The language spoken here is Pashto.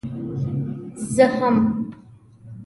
زه هم.